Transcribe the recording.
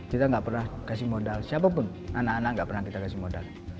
kita nggak pernah kasih modal siapapun anak anak nggak pernah kita kasih modal